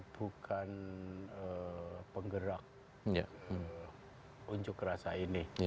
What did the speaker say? bukan penggerak unjuk rasa ini